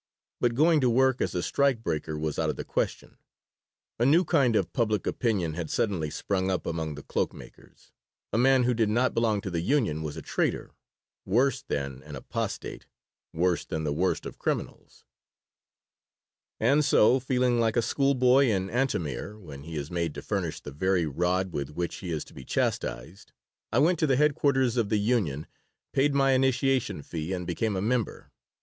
But going to work as a strike breaker was out of the question. A new kind of Public Opinion had suddenly sprung up among the cloak makers: a man who did not belong to the union was a traitor, worse than an apostate, worse than the worst of criminals And so, feeling like a school boy in Antomir when he is made to furnish the very rod with which he is to be chastised, I went to the headquarters of the union, paid my initiation fee, and became a member.